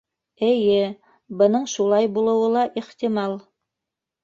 Эйе, бының шулай булыуы ла ихтимал.